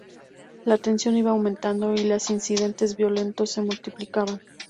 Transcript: La tensión iba aumentando y los incidentes violentos se multiplicaban.